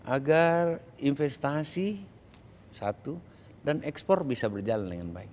agar investasi satu dan ekspor bisa berjalan dengan baik